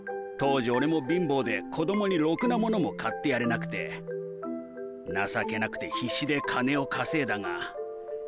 当時俺も貧乏で子供にろくな物も買ってやれなくて情けなくて必死で金を稼いだが。